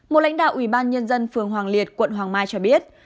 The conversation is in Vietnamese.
một lãnh đạo ủy ban nhân dân phường hoàng liệt quận hoàng mai cho biết